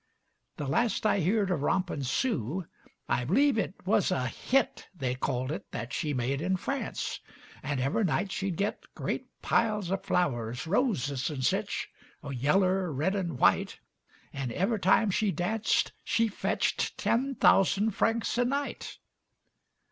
The last I heered of rompin' Sue, I b'lieve it wuz a "hit" They called it that she made in France, And ever' night she'd git Great piles o' flowers, roses and sich, O' yaller, red and white; And ever' time she danced she fetched Ten thousan' francs a night!